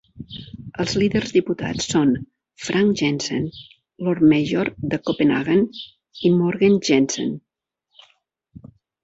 Els líders diputats són Frank Jensen, Lord Mayor de Copenhagen i Mogens Jensen.